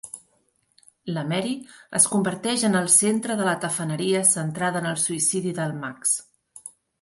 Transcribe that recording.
La Mary es converteix en el centre de la tafaneria centrada en el suïcidi del Max.